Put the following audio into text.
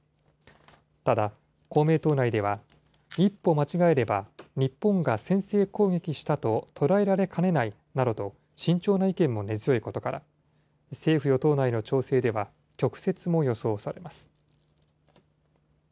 ただ、公明党内では、一歩間違えれば、日本が先制攻撃したと捉えられかねないなどと慎重な意見も根強いことから、政府・与党内の調整では、曲折も予想されます。